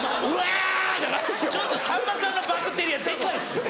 ちょっとさんまさんのバクテリアデカいですよ。